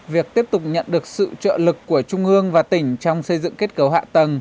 việc tiếp tục nhận được sự trợ lực của trung ương và tỉnh trong xây dựng kết cấu hạ tầng